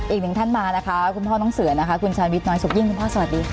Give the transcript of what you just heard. อีกหนึ่งท่านมานะคะคุณพ่อน้องเสือนะคะคุณชาญวิทยน้อยสุขยิ่งคุณพ่อสวัสดีค่ะ